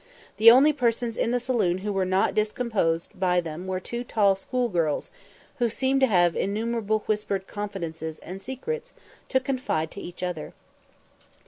The only persons in the saloon who were not discomposed by them were two tall school girls, who seemed to have innumerable whispered confidences and secrets to confide to each other.